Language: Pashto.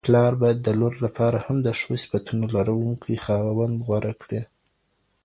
پلار بايد د لور لپاره هم د ښو صفتونو لرونکی خاوند غوره کړي!